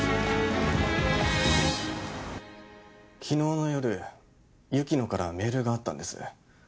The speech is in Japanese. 昨日の夜雪乃からメールがあったんです。